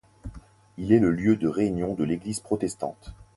Il est le lieu de réunion de l'église protestante.